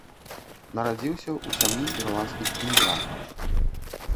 Нарадзіўся ў сям'і ірландскіх імігрантаў.